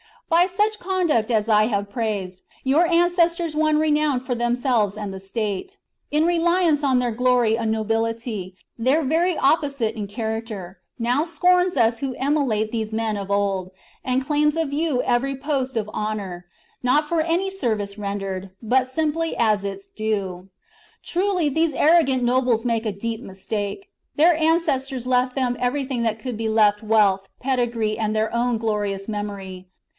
By such conduct as I have praised your ancestors won renown for themselves and the state. In reliance on their glory a nobility, their very opposite in character, now scorns us who emulate these men of old, and claims of you every post of honour, not for any service rendered, but simply as its due. Truly these arrogant nobles make a deep mistake. Their ancestors left them everything that could be left — wealth, pedigree, and their own glorious memory.